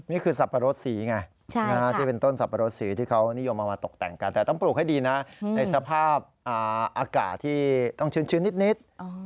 สับปะรดสีไงที่เป็นต้นสับปะรดสีที่เขานิยมเอามาตกแต่งกันแต่ต้องปลูกให้ดีนะในสภาพอากาศที่ต้องชื้นนิด